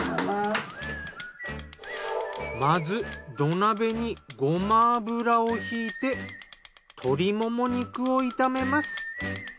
まず土鍋にごま油を引いて鶏もも肉を炒めます。